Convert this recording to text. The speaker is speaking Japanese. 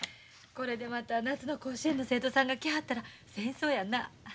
これでまた夏の甲子園の生徒さんが来はったら戦争やな。